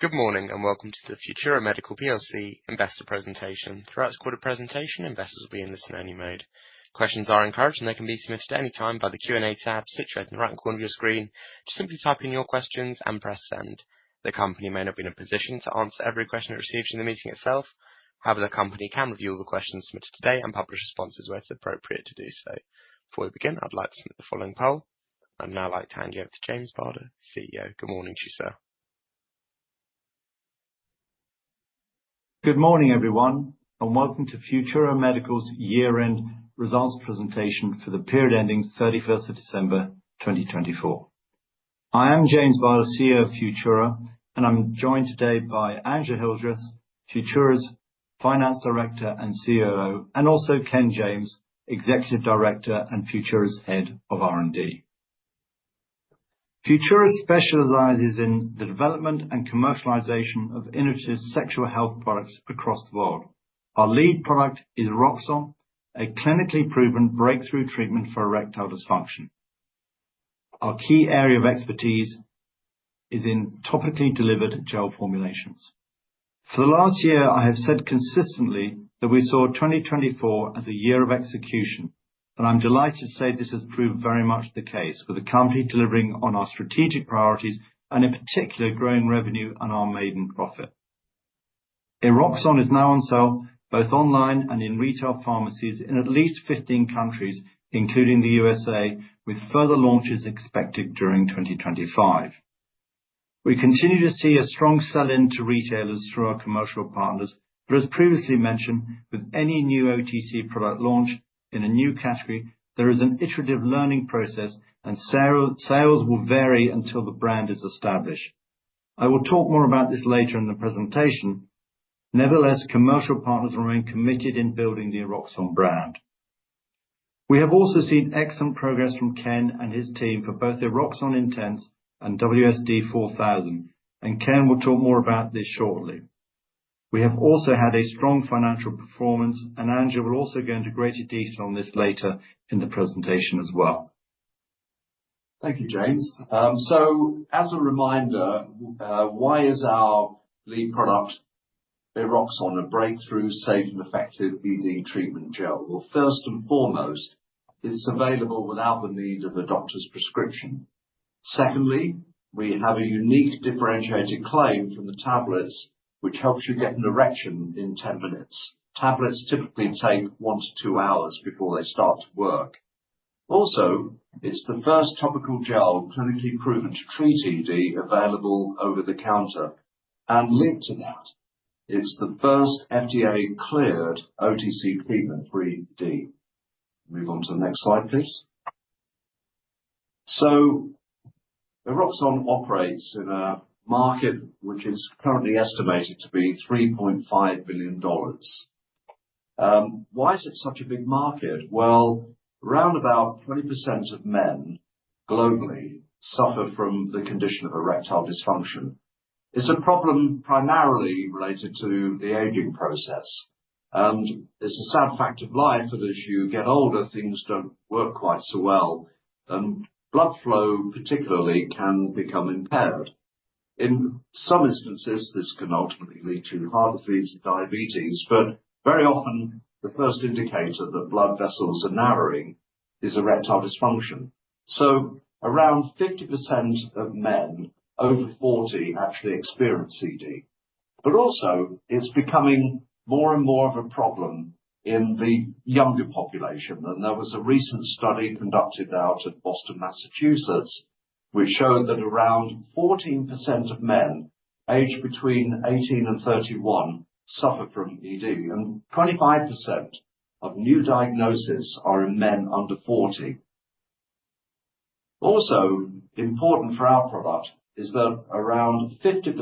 Good morning and welcome to the Futura Medical investor presentation. Throughout this quarter presentation, investors will be in listen-only mode. Questions are encouraged and they can be submitted at any time via the Q&A tab, situated in the right-hand corner of your screen. Just simply type in your questions and press send. The company may not be in a position to answer every question it receives during the meeting itself. However, the company can review all the questions submitted today and publish responses where it's appropriate to do so. Before we begin, I'd like to submit the following poll. I'd now like to hand you over to James Barder, CEO. Good morning, Chief Sir. Good morning, everyone, and welcome to Futura Medical's year-end results presentation for the period ending 31st of December 2024. I am James Barder, CEO of Futura, and I'm joined today by Angela Hildreth, Futura's Finance Director and COO, and also Ken James, Executive Director and Futura's Head of R&D. Futura specializes in the development and commercialization of innovative sexual health products across the world. Our lead product is Eroxon, a clinically proven breakthrough treatment for erectile dysfunction. Our key area of expertise is in topically delivered gel formulations. For the last year, I have said consistently that we saw 2024 as a year of execution, and I'm delighted to say this has proved very much the case, with the company delivering on our strategic priorities and, in particular, growing revenue and our maiden profit. Eroxon is now on sale both online and in retail pharmacies in at least 15 countries, including the Eroxon, with further launches expected during 2025. We continue to see a strong sell-in to retailers through our commercial partners, but as previously mentioned, with any new OTC product launch in a new category, there is an iterative learning process, and sales will vary until the brand is established. I will talk more about this later in the presentation. Nevertheless, commercial partners remain committed in building the Eroxon brand. We have also seen excellent progress from Ken and his team for both the Eroxon Intense and WSD4000, and Ken will talk more about this shortly. We have also had a strong financial performance, and Angela will also go into greater detail on this later in the presentation as well. Thank you, James. As a reminder, why is our lead product Eroxon a breakthrough, safe, and effective ED treatment gel? First and foremost, it's available without the need of a doctor's prescription. Secondly, we have a unique differentiated claim from the tablets, which helps you get an erection in 10 minutes. Tablets typically take one to two hours before they start to work. Also, it's the first topical gel clinically proven to treat ED available over the counter. Linked to that, it's the first FDA-cleared OTC treatment for ED. Move on to the next slide, please. Eroxon operates in a market which is currently estimated to be $3.5 billion. Why is it such a big market? Around about 20% of men globally suffer from the condition of erectile dysfunction. It's a problem primarily related to the aging process. It's a sad fact of life that as you get older, things don't work quite so well, and blood flow particularly can become impaired. In some instances, this can ultimately lead to heart disease and diabetes. Very often, the first indicator that blood vessels are narrowing is erectile dysfunction. Around 50% of men over 40 actually experience ED. It's becoming more and more of a problem in the younger population. There was a recent study conducted out at Boston, Massachusetts, which showed that around 14% of men aged between 18 and 31 suffer from ED, and 25% of new diagnoses are in men under 40. Also, important for our product is that around 50%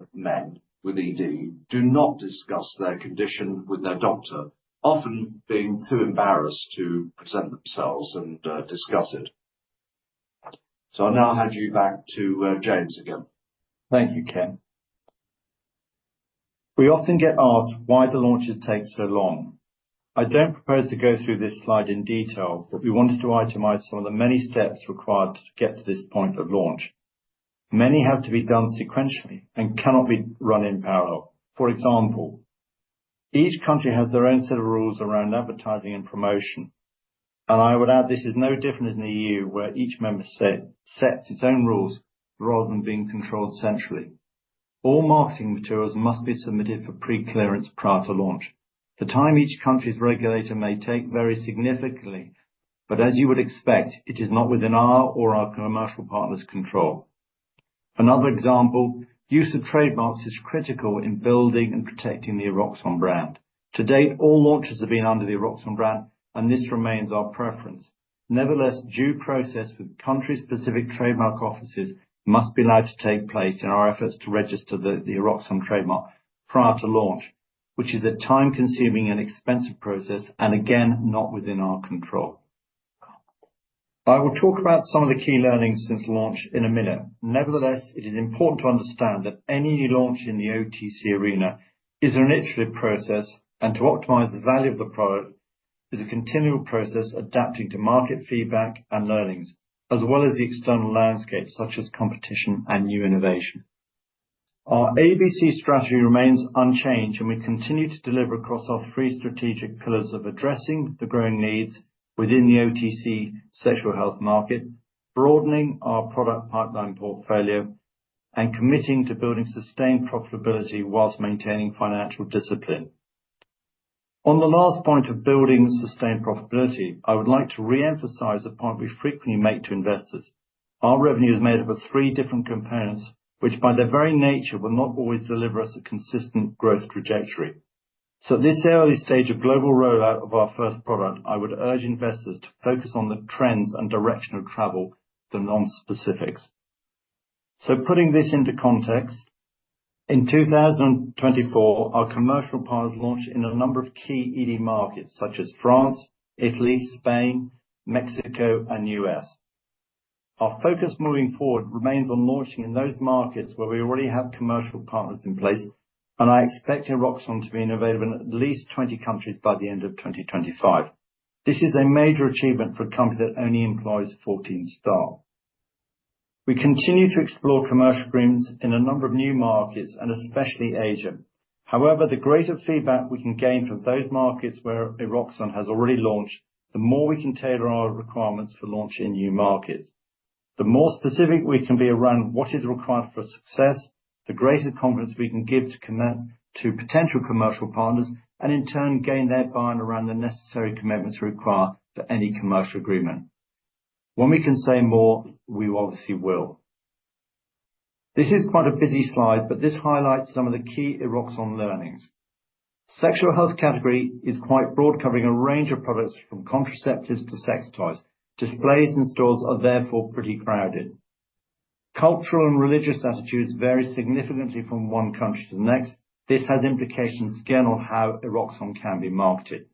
of men with ED do not discuss their condition with their doctor, often being too embarrassed to present themselves and discuss it. I'll now hand you back to James again. Thank you, Ken. We often get asked why the launches take so long. I do not propose to go through this slide in detail, but we wanted to itemize some of the many steps required to get to this point of launch. Many have to be done sequentially and cannot be run in parallel. For example, each country has their own set of rules around advertising and promotion. I would add this is no different in the EU, where each member sets its own rules rather than being controlled centrally. All marketing materials must be submitted for pre-clearance prior to launch. The time each country's regulator may take varies significantly, but as you would expect, it is not within our or our commercial partner's control. Another example, use of trademarks is critical in building and protecting the Eroxon brand. To date, all launches have been under the Eroxon brand, and this remains our preference. Nevertheless, due process with country-specific trademark offices must be allowed to take place in our efforts to register the Eroxon trademark prior to launch, which is a time-consuming and expensive process, and again, not within our control. I will talk about some of the key learnings since launch in a minute. Nevertheless, it is important to understand that any new launch in the OTC arena is an iterative process, and to optimize the value of the product is a continual process adapting to market feedback and learnings, as well as the external landscape, such as competition and new innovation. Our ABC strategy remains unchanged, and we continue to deliver across our three strategic pillars of addressing the growing needs within the OTC sexual health market, broadening our product pipeline portfolio, and committing to building sustained profitability whilst maintaining financial discipline. On the last point of building sustained profitability, I would like to re-emphasize a point we frequently make to investors. Our revenue is made up of three different components, which by their very nature will not always deliver us a consistent growth trajectory. At this early stage of global rollout of our first product, I would urge investors to focus on the trends and direction of travel, the non-specifics. Putting this into context, in 2024, our commercial partners launched in a number of key ED markets, such as France, Italy, Spain, Mexico, and U.S. Our focus moving forward remains on launching in those markets where we already have commercial partners in place, and I expect Eroxon to be innovative in at least 20 countries by the end of 2025. This is a major achievement for a company that only employs 14 staff. We continue to explore commercial agreements in a number of new markets, and especially Asia. However, the greater feedback we can gain from those markets where Eroxon has already launched, the more we can tailor our requirements for launch in new markets. The more specific we can be around what is required for success, the greater confidence we can give to potential commercial partners, and in turn, gain their buy-in around the necessary commitments required for any commercial agreement. When we can say more, we obviously will. This is quite a busy slide, but this highlights some of the key Eroxon learnings. The sexual health category is quite broad, covering a range of products from contraceptives to sex toys. Displays and stores are therefore pretty crowded. Cultural and religious attitudes vary significantly from one country to the next. This has implications again on how Eroxon can be marketed.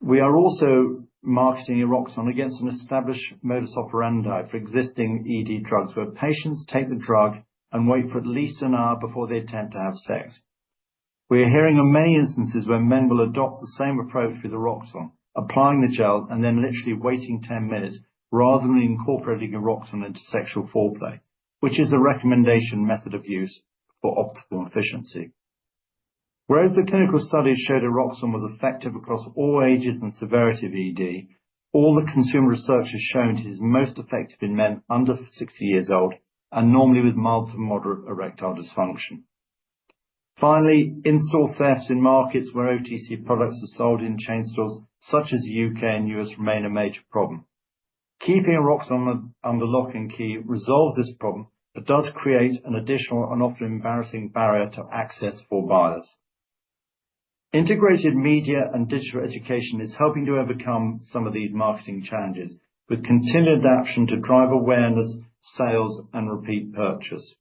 We are also marketing Eroxon against an established modus operandi for existing ED drugs, where patients take the drug and wait for at least an hour before they attempt to have sex. We are hearing of many instances where men will adopt the same approach with Eroxon, applying the gel and then literally waiting 10 minutes rather than incorporating Eroxon into sexual foreplay, which is a recommendation method of use for optimal efficiency. Whereas the clinical studies showed Eroxon was effective across all ages and severity of ED, all the consumer research has shown it is most effective in men under 60 years old and normally with mild to moderate erectile dysfunction. Finally, in-store theft in markets where OTC products are sold in chain stores such as the U.K. and U.S. remain a major problem. Keeping Eroxon under lock and key resolves this problem but does create an additional and often embarrassing barrier to access for buyers. Integrated media and digital education is helping to overcome some of these marketing challenges with continued adaption to drive awareness, sales, and repeat purchase.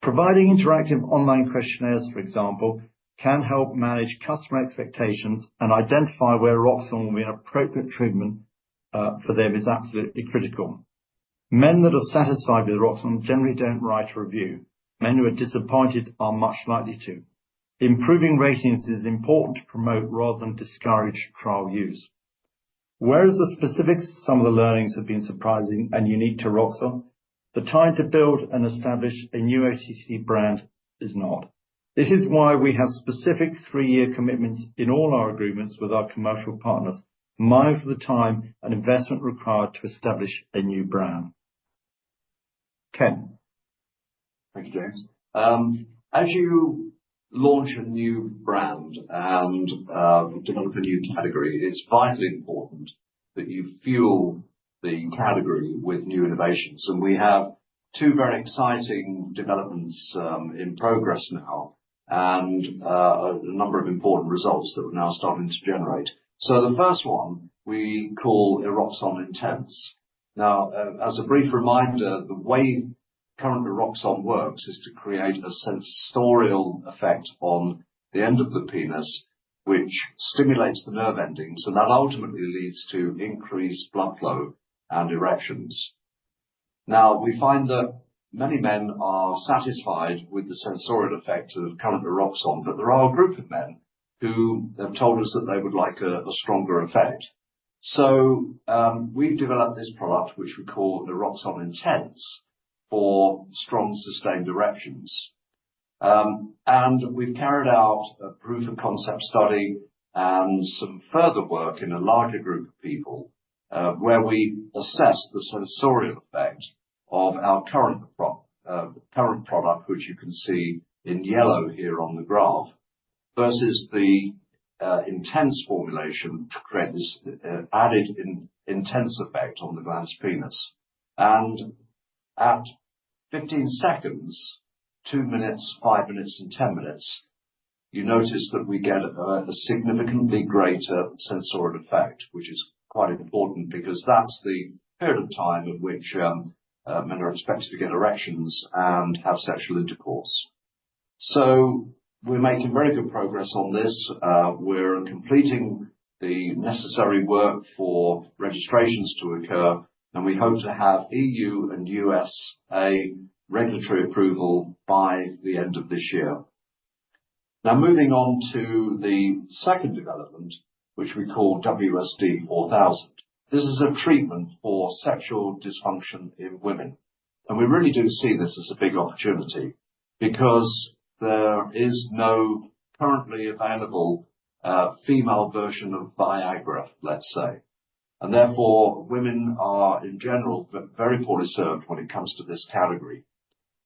Providing interactive online questionnaires, for example, can help manage customer expectations and identify where Eroxon will be an appropriate treatment for them is absolutely critical. Men that are satisfied with Eroxon generally don't write a review. Men who are disappointed are much likely to. Improving ratings is important to promote rather than discourage trial use. Whereas the specifics of some of the learnings have been surprising and unique to Eroxon, the time to build and establish a new OTC brand is not. This is why we have specific three-year commitments in all our agreements with our commercial partners, mindful of the time and investment required to establish a new brand. Ken. Thank you, James. As you launch a new brand and develop a new category, it's vitally important that you fuel the category with new innovations. We have two very exciting developments in progress now and a number of important results that we're now starting to generate. The first one we call Eroxon Intense. Now, as a brief reminder, the way current Eroxon works is to create a sensorial effect on the end of the penis, which stimulates the nerve endings, and that ultimately leads to increased blood flow and erections. We find that many men are satisfied with the sensorial effect of current Eroxon, but there are a group of men who have told us that they would like a stronger effect. We have developed this product, which we call Eroxon Intense, for strong sustained erections. We have carried out a proof of concept study and some further work in a larger group of people where we assess the sensorial effect of our current product, which you can see in yellow here on the graph, versus the Intense formulation to create this added Intense effect on the glans penis. At 15 seconds, two minutes, five minutes, and 10 minutes, you notice that we get a significantly greater sensorial effect, which is quite important because that is the period of time at which men are expected to get erections and have sexual intercourse. We are making very good progress on this. We are completing the necessary work for registrations to occur, and we hope to have EU and U.S. regulatory approval by the end of this year. Now, moving on to the second development, which we call WSD4000. This is a treatment for sexual dysfunction in women. We really do see this as a big opportunity because there is no currently available female version of Viagra, let's say. Therefore, women are in general very poorly served when it comes to this category.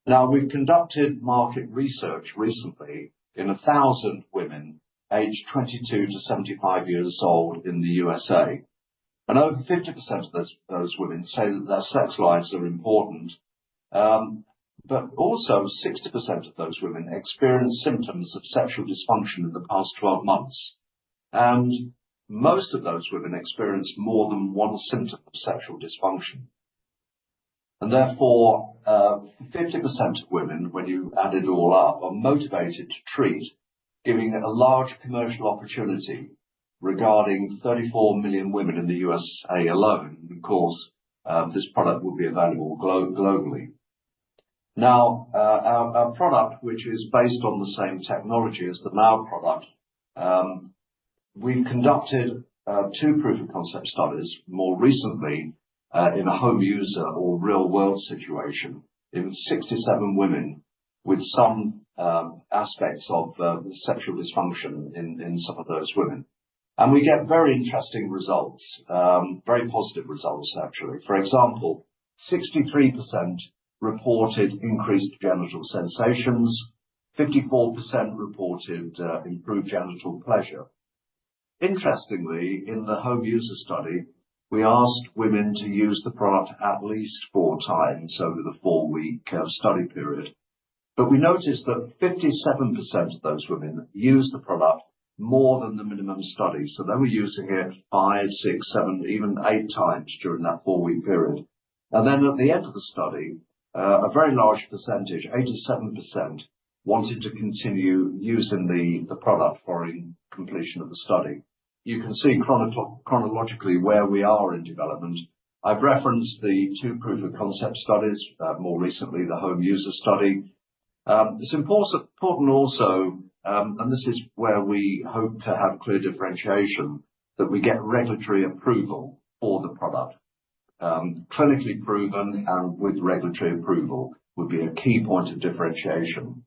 We have conducted market research recently in 1,000 women aged 22 to 75 years old in the USA. Over 50% of those women say that their sex lives are important. Also, 60% of those women experience symptoms of sexual dysfunction in the past 12 months. Most of those women experience more than one symptom of sexual dysfunction. Therefore, 50% of women, when you add it all up, are motivated to treat, giving a large commercial opportunity regarding 34 million women in the U.S.A. alone. Of course, this product will be available globally. Now, our product, which is based on the same technology as the MAO product, we've conducted two proof of concept studies more recently in a home user or real-world situation in 67 women with some aspects of sexual dysfunction in some of those women. We get very interesting results, very positive results, actually. For example, 63% reported increased genital sensations, 54% reported improved genital pleasure. Interestingly, in the home user study, we asked women to use the product at least four times over the four-week study period. We noticed that 57% of those women used the product more than the minimum study. They were using it five, six, seven, even eight times during that four-week period. At the end of the study, a very large percentage, 87%, wanted to continue using the product following completion of the study. You can see chronologically where we are in development. I've referenced the two proof of concept studies more recently, the home user study. It's important also, and this is where we hope to have clear differentiation, that we get regulatory approval for the product. Clinically proven and with regulatory approval would be a key point of differentiation.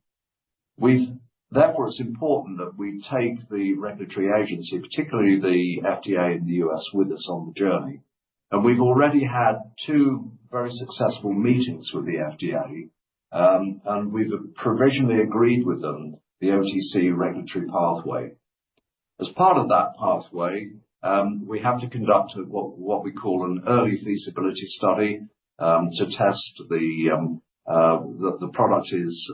Therefore, it's important that we take the regulatory agency, particularly the FDA in the U.S., with us on the journey. We've already had two very successful meetings with the FDA, and we've provisionally agreed with them the OTC regulatory pathway. As part of that pathway, we have to conduct what we call an early feasibility study to test that the product is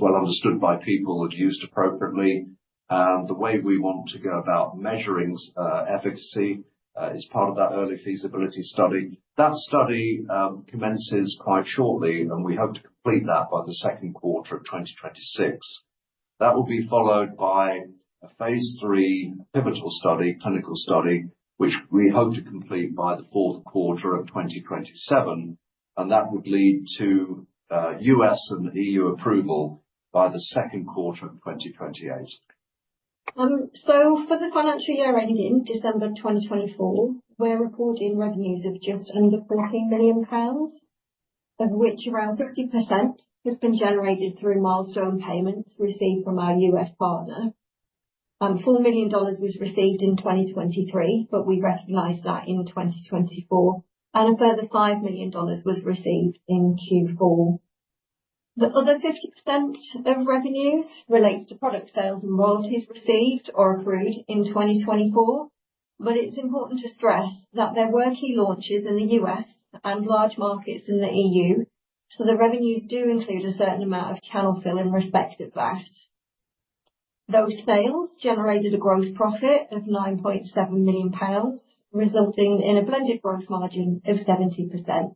well understood by people and used appropriately. The way we want to go about measuring efficacy is part of that early feasibility study. That study commences quite shortly, and we hope to complete that by the second quarter of 2026. That will be followed by a phase three pivotal study, clinical study, which we hope to complete by the fourth quarter of 2027. That would lead to U.S. and EU approval by the second quarter of 2028. For the financial year ending December 2024, we're reporting revenues of just under GBP 14 million, of which around 50% has been generated through milestone payments received from our U.S. partner. $4 million was received in 2023, but we recognize that in 2024. A further $5 million was received in Q4. The other 50% of revenues relates to product sales and royalties received or accrued in 2024. It is important to stress that there were key launches in the U.S. and large markets in the EU, so the revenues do include a certain amount of channel fill in respect of that. Those sales generated a gross profit of 9.7 million pounds, resulting in a blended gross margin of 70%.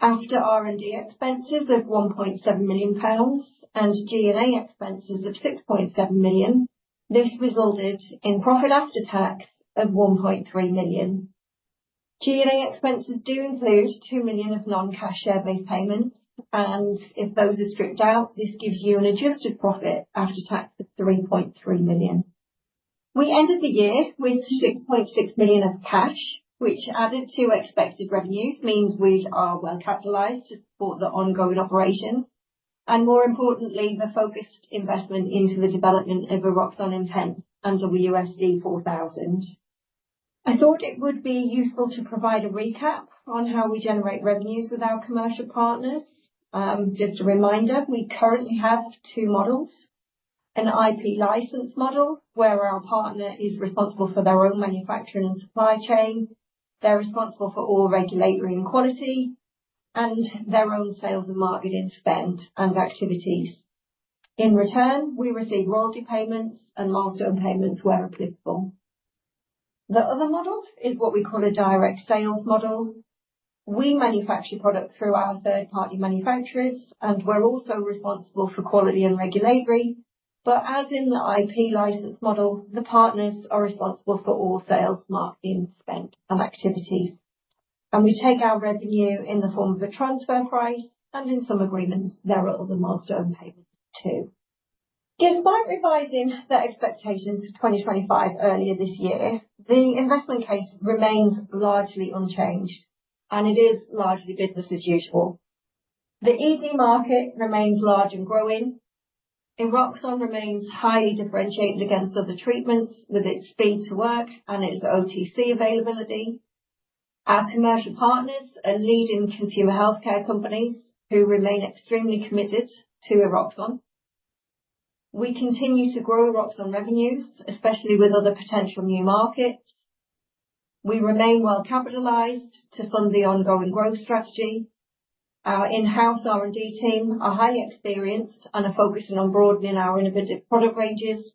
After R&D expenses of 1.7 million pounds and G&A expenses of 6.7 million, this resulted in profit after tax of 1.3 million. G&A expenses do include 2 million of non-cash share-based payments. If those are stripped out, this gives you an adjusted profit after tax of 3.3 million. We ended the year with 6.6 million of cash, which, added to expected revenues, means we are well capitalized to support the ongoing operations. More importantly, the focused investment into the development of Eroxon Intense under WSD4000. I thought it would be useful to provide a recap on how we generate revenues with our commercial partners. Just a reminder, we currently have two models: an IP license model, where our partner is responsible for their own manufacturing and supply chain, they are responsible for all regulatory and quality, and their own sales and marketing spend and activities. In return, we receive royalty payments and milestone payments where applicable. The other model is what we call a direct sales model. We manufacture products through our third-party manufacturers, and we are also responsible for quality and regulatory. As in the IP license model, the partners are responsible for all sales, marketing, spend, and activity. We take our revenue in the form of a transfer price, and in some agreements, there are other milestone payments too. Despite revising the expectations for 2025 earlier this year, the investment case remains largely unchanged, and it is largely business as usual. The ED market remains large and growing. Eroxon remains highly differentiated against other treatments with its fee-to-work and its OTC availability. Our commercial partners are leading consumer healthcare companies who remain extremely committed to Eroxon. We continue to grow Eroxon revenues, especially with other potential new markets. We remain well capitalized to fund the ongoing growth strategy. Our in-house R&D team are highly experienced and are focusing on broadening our innovative product ranges.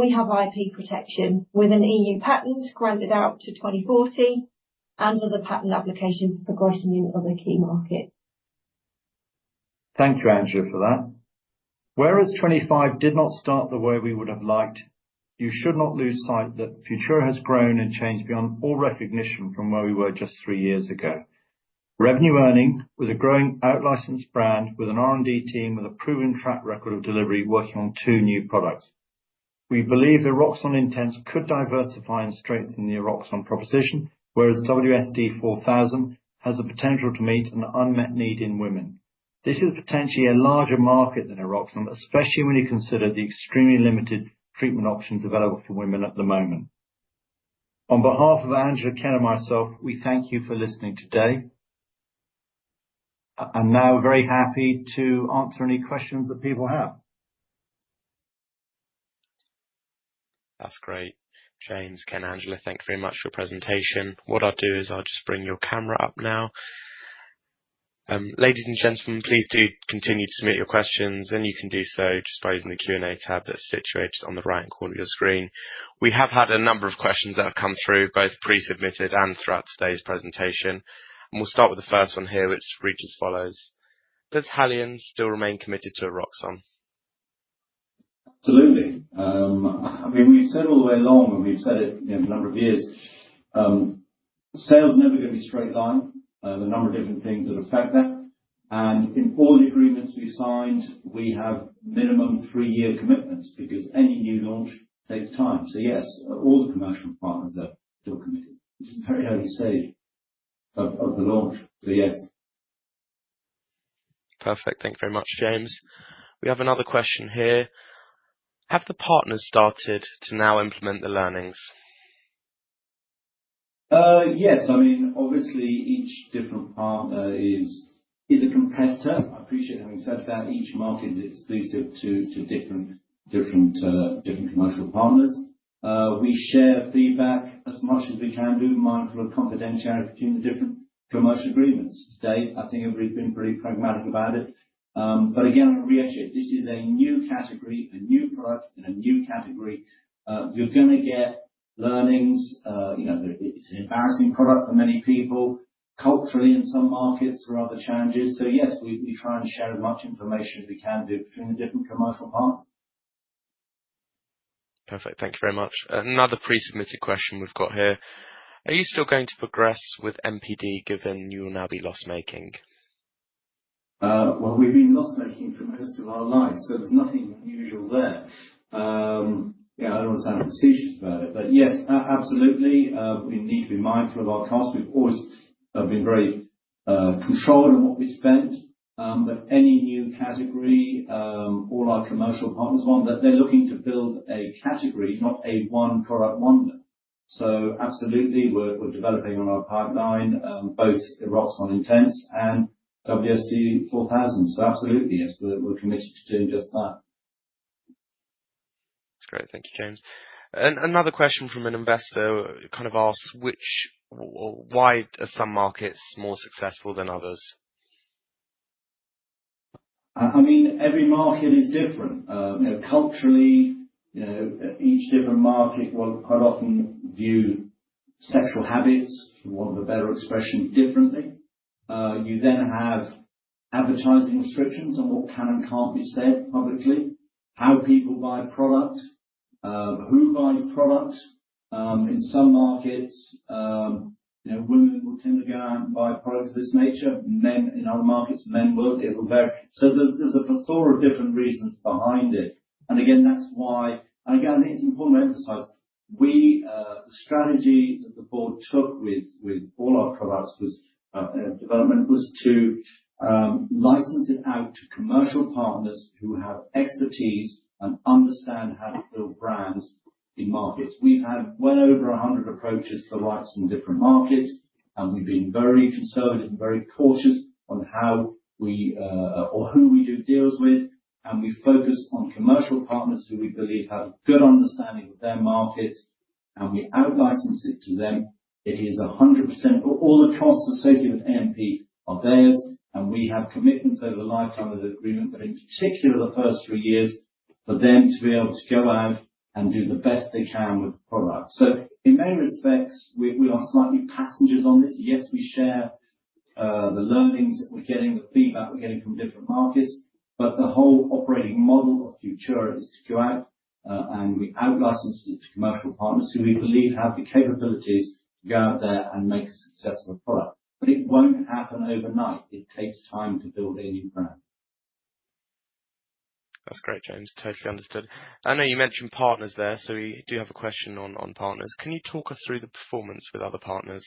We have IP protection with an EU patent granted out to 2040 and other patent applications progressing in other key markets. Thank you, Angela, for that. Whereas 2025 did not start the way we would have liked, you should not lose sight that Futura has grown and changed beyond all recognition from where we were just three years ago. Revenue earning was a growing outlicensed brand with an R&D team with a proven track record of delivery working on two new products. We believe that Eroxon Intense could diversify and strengthen the Eroxon proposition, whereas WSD4000 has the potential to meet an unmet need in women. This is potentially a larger market than Eroxon, especially when you consider the extremely limited treatment options available for women at the moment. On behalf of Angela, Ken, and myself, we thank you for listening today. We are now very happy to answer any questions that people have. That's great. James, Ken, Angela, thank you very much for your presentation. What I'll do is I'll just bring your camera up now. Ladies and gentlemen, please do continue to submit your questions, and you can do so just by using the Q&A tab that's situated on the right-hand corner of your screen. We have had a number of questions that have come through, both pre-submitted and throughout today's presentation. We'll start with the first one here, which reads as follows: Does Haleon still remain committed to Eroxon? Absolutely. I mean, we've said all the way along, and we've said it for a number of years, sales are never going to be a straight line. There are a number of different things that affect that. In all the agreements we've signed, we have minimum three-year commitments because any new launch takes time. Yes, all the commercial partners are still committed. It's a very early stage of the launch. Yes. Perfect. Thank you very much, James. We have another question here. Have the partners started to now implement the learnings? Yes. I mean, obviously, each different partner is a competitor. I appreciate having said that. Each market is exclusive to different commercial partners. We share feedback as much as we can do, mindful of confidentiality between the different commercial agreements. Today, I think everybody's been pretty pragmatic about it. I reiterate, this is a new category, a new product in a new category. You're going to get learnings. It's an embarrassing product for many people. Culturally, in some markets, there are other challenges. Yes, we try and share as much information as we can do between the different commercial partners. Perfect. Thank you very much. Another pre-submitted question we've got here: Are you still going to progress with MPD given you will now be loss-making? We've been loss-making for most of our life, so there's nothing unusual there. I don't understand the procedures about it. Yes, absolutely. We need to be mindful of our costs. We've always been very controlled on what we spend. Any new category, all our commercial partners want, they're looking to build a category, not a one product, one thing. Absolutely, we're developing on our pipeline, both Eroxon Intense and WSD4000. Absolutely, yes, we're committed to doing just that. That's great. Thank you, James. Another question from an investor kind of asks why are some markets more successful than others? I mean, every market is different. Culturally, each different market will quite often view sexual habits, for want of a better expression, differently. You then have advertising restrictions on what can and cannot be said publicly, how people buy product, who buys product. In some markets, women will tend to go and buy products of this nature. In other markets, men will. It will vary. There is a plethora of different reasons behind it. Again, that is why I think it is important to emphasize the strategy that the board took with all our products was development was to license it out to commercial partners who have expertise and understand how to build brands in markets. We have had well over 100 approaches for rights in different markets. We have been very conservative and very cautious on how we or who we do deals with. We focus on commercial partners who we believe have a good understanding of their markets. We outlicense it to them. It is 100%. All the costs associated with AMP are theirs. We have commitments over the lifetime of the agreement, but in particular, the first three years for them to be able to go out and do the best they can with the product. In many respects, we are slightly passengers on this. Yes, we share the learnings that we're getting, the feedback we're getting from different markets. The whole operating model of Futura is to go out, and we outlicense it to commercial partners who we believe have the capabilities to go out there and make a successful product. It won't happen overnight. It takes time to build a new brand. That's great, James. Totally understood. I know you mentioned partners there, so we do have a question on partners. Can you talk us through the performance with other partners?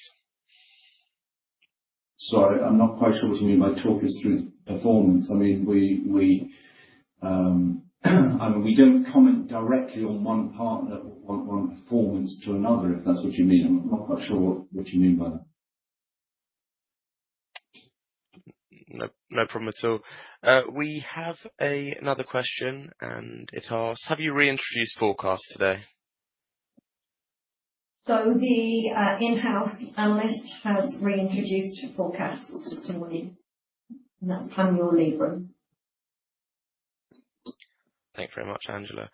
Sorry, I'm not quite sure what you mean by talk us through the performance. I mean, we don't comment directly on one partner or one performance to another, if that's what you mean. I'm not quite sure what you mean by that. No problem at all. We have another question, and it asks, have you reintroduced forecasts today? The in-house analyst has reintroduced forecasts this morning. And that's Tanya Leibbren. Thank you very much, Angela.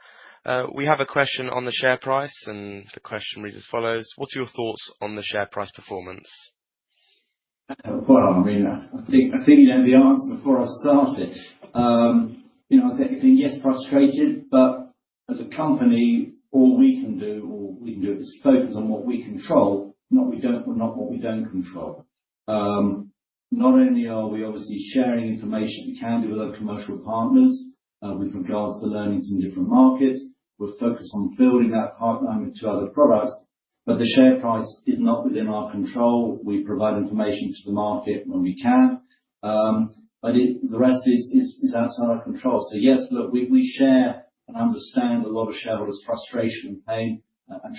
We have a question on the share price, and the question reads as follows: What are your thoughts on the share price performance? I mean, I think you know the answer before I started. I think yes, frustrated. As a company, all we can do, or we can do, is focus on what we control, not what we do not control. Not only are we obviously sharing information we can do with other commercial partners with regards to learnings in different markets, we are focused on building that partner to other products. The share price is not within our control. We provide information to the market when we can. The rest is outside our control. Yes, look, we share and understand a lot of shareholders' frustration and pain.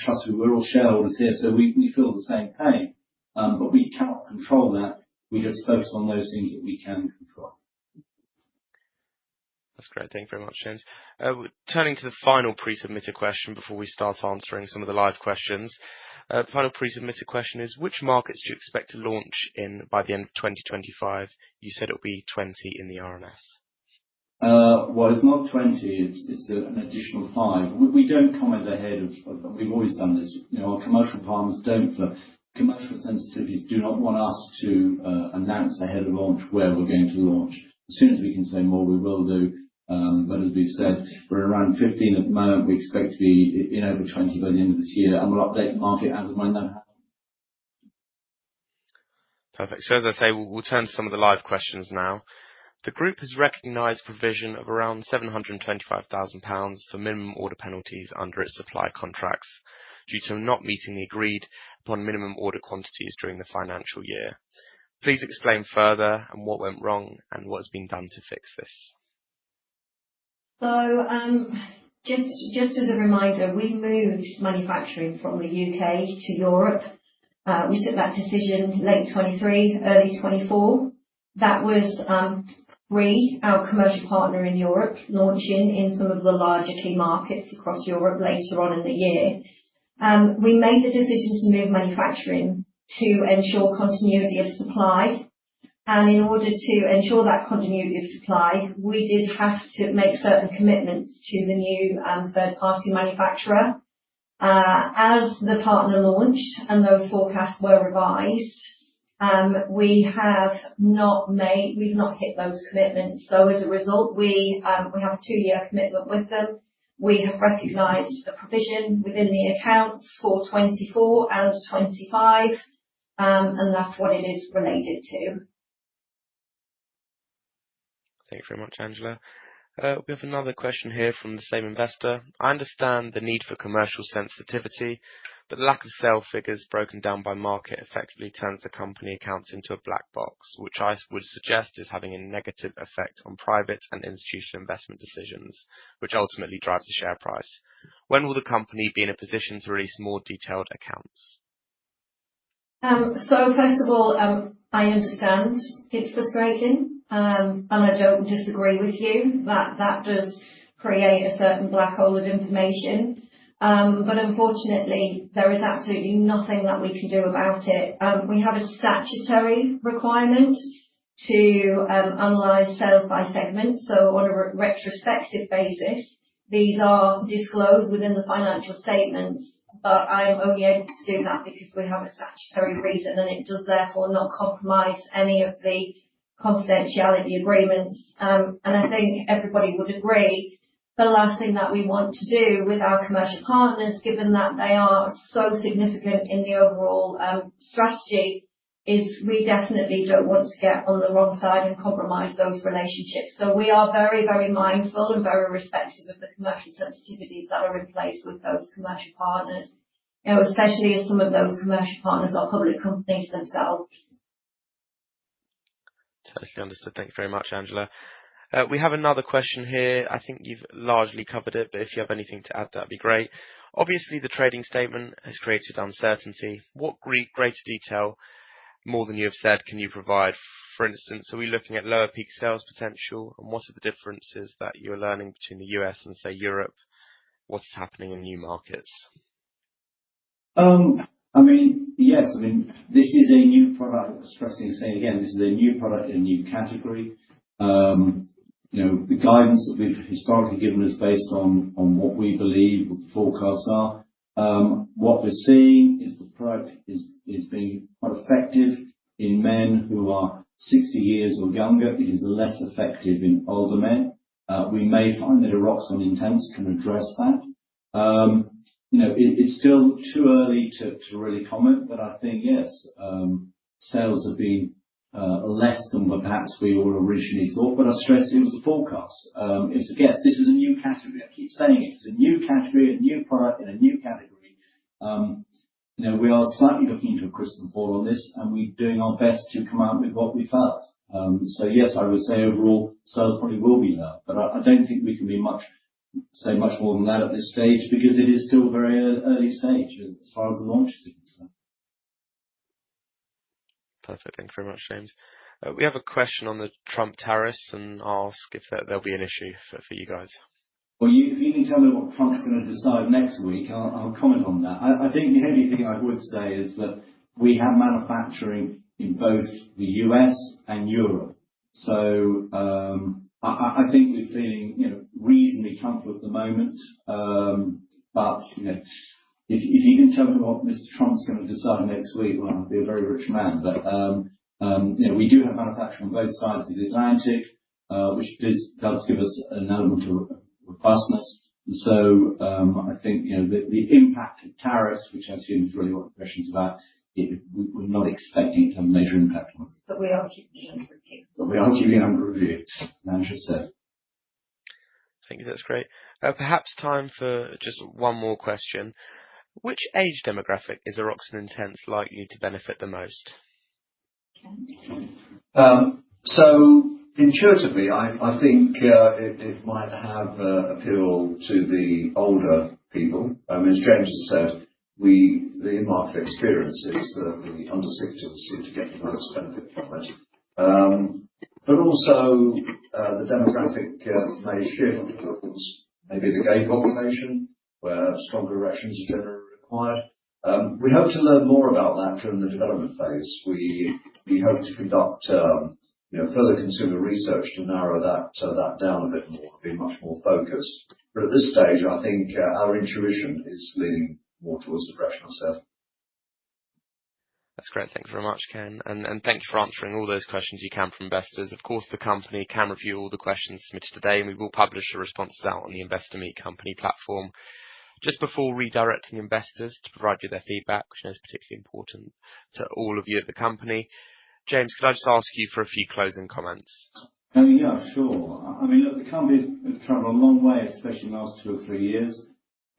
Trust me, we are all shareholders here, so we feel the same pain. We cannot control that. We just focus on those things that we can control. That's great. Thank you very much, James. Turning to the final pre-submitted question before we start answering some of the live questions. The final pre-submitted question is, which markets do you expect to launch in by the end of 2025? You said it'll be 20 in the R&S. It is not 20. It is an additional five. We do not comment ahead of—we have always done this. Our commercial partners do not—commercial sensitivities do not want us to announce ahead of launch where we are going to launch. As soon as we can say more, we will do. As we have said, we are around 15 at the moment. We expect to be in over 20 by the end of this year. We will update the market as and when that happens. Perfect. As I say, we'll turn to some of the live questions now. The group has recognized a provision of around 725,000 pounds for minimum order penalties under its supply contracts due to not meeting the agreed upon minimum order quantities during the financial year. Please explain further and what went wrong and what has been done to fix this. Just as a reminder, we moved manufacturing from the U.K. to Europe. We took that decision late 2023, early 2024. That was three, our commercial partner in Europe launching in some of the larger key markets across Europe later on in the year. We made the decision to move manufacturing to ensure continuity of supply. In order to ensure that continuity of supply, we did have to make certain commitments to the new third-party manufacturer. As the partner launched and those forecasts were revised, we have not made—we have not hit those commitments. As a result, we have a two-year commitment with them. We have recognized a provision within the accounts for 2024 and 2025, and that is what it is related to. Thank you very much, Angela. We have another question here from the same investor. I understand the need for commercial sensitivity, but the lack of sale figures broken down by market effectively turns the company accounts into a black box, which I would suggest is having a negative effect on private and institutional investment decisions, which ultimately drives the share price. When will the company be in a position to release more detailed accounts? First of all, I understand it's frustrating. I don't disagree with you that that does create a certain black hole of information. Unfortunately, there is absolutely nothing that we can do about it. We have a statutory requirement to analyze sales by segment. On a retrospective basis, these are disclosed within the financial statements. I am only able to do that because we have a statutory reason, and it does therefore not compromise any of the confidentiality agreements. I think everybody would agree. The last thing that we want to do with our commercial partners, given that they are so significant in the overall strategy, is we definitely don't want to get on the wrong side and compromise those relationships. We are very, very mindful and very respective of the commercial sensitivities that are in place with those commercial partners, especially as some of those commercial partners are public companies themselves. Totally understood. Thank you very much, Angela. We have another question here. I think you've largely covered it, but if you have anything to add, that'd be great. Obviously, the trading statement has created uncertainty. What greater detail, more than you have said, can you provide? For instance, are we looking at lower peak sales potential? And what are the differences that you're learning between the U.S. and, say, Europe? What's happening in new markets? I mean, yes. I mean, this is a new product. It's stressing to say again, this is a new product in a new category. The guidance that we've historically given is based on what we believe forecasts are. What we're seeing is the product is being quite effective in men who are 60 years or younger. It is less effective in older men. We may find that a Eroxon Intense can address that. It's still too early to really comment, but I think yes, sales have been less than perhaps we all originally thought. I stress it was a forecast. It was a guess. This is a new category. I keep saying it. It's a new category, a new product in a new category. We are slightly looking into a crystal ball on this, and we're doing our best to come out with what we felt. Yes, I would say overall, sales probably will be lower. I don't think we can say much more than that at this stage because it is still a very early stage as far as the launch is concerned. Perfect. Thank you very much, James. We have a question on the Trump tariffs and ask if there will be an issue for you guys. You need to tell me what Trump's going to decide next week. I'll comment on that. I think the only thing I would say is that we have manufacturing in both the U.S. and Europe. I think we're feeling reasonably comfortable at the moment. If you can tell me what Mr. Trump's going to decide next week, I'll be a very rich man. We do have manufacturing on both sides of the Atlantic, which does give us an element of robustness. I think the impact of tariffs, which I assume is really what the question's about, we're not expecting to have a major impact on. We are keeping it under review. We are keeping it under review, as Angela said. Thank you. That's great. Perhaps time for just one more question. Which age demographic is Eroxon Intense likely to benefit the most? Intuitively, I think it might have appeal to the older people. I mean, as James has said, the in-market experiences, the underserved seem to get the most benefit from it. Also, the demographic may shift towards maybe the gay population, where stronger erections are generally required. We hope to learn more about that during the development phase. We hope to conduct further consumer research to narrow that down a bit more and be much more focused. At this stage, I think our intuition is leaning more towards the direction of sale. That's great. Thank you very much, Ken. Thank you for answering all those questions you can for investors. Of course, the company can review all the questions submitted today, and we will publish the responses out on the Investor Meet Company platform. Just before redirecting investors to provide you their feedback, which I know is particularly important to all of you at the company, James, could I just ask you for a few closing comments? Yeah, sure. I mean, look, the company's traveled a long way, especially in the last two or three years.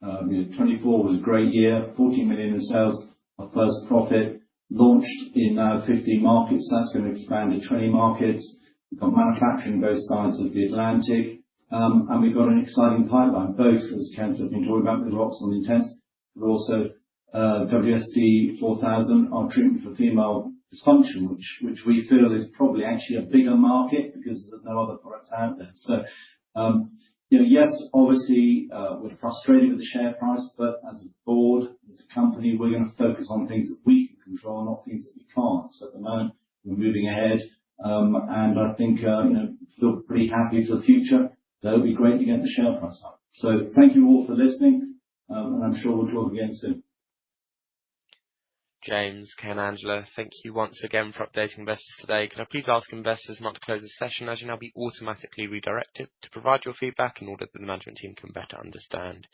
2024 was a great year. 14 million in sales, our first profit. Launched in 15 markets. That's going to expand to 20 markets. We've got manufacturing on both sides of the Atlantic. And we've got an exciting pipeline, both as Ken's just been talking about with Eroxon Intense, but also WSD4000, our treatment for female dysfunction, which we feel is probably actually a bigger market because there's no other products out there. Yes, obviously, we're frustrated with the share price, but as a board, as a company, we're going to focus on things that we can control, not things that we can't. At the moment, we're moving ahead. I think we'll feel pretty happy for the future. That'll be great to get the share price up. Thank you all for listening, and I'm sure we'll talk again soon. James, Ken, Angela, thank you once again for updating investors today. Can I please ask investors not to close the session as you'll now be automatically redirected to provide your feedback in order that the management team can better understand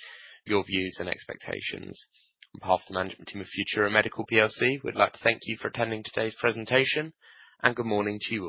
your views and expectations? On behalf of the management team of Futura Medical PLC, we'd like to thank you for attending today's presentation. Good morning to you all.